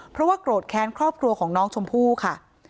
เพราะว่าโกรธแค้นครอบครัวของน้องชมพู่ค่ะ